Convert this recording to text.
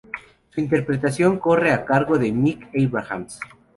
Su interpretación corre a cargo de Mick Abrahams.